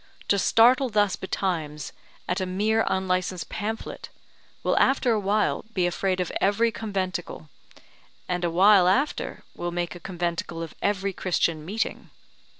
To startle thus betimes at a mere unlicensed pamphlet will after a while be afraid of every conventicle, and a while after will make a conventicle of every Christian meeting.